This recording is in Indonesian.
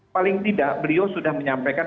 paling tidak beliau sudah menyampaikan